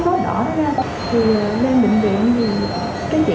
thì đã tử nguyên bị diễn gấp